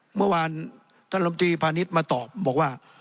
เมื่อวานท่านลมตรีพาณิชย์มาตอบบอกว่า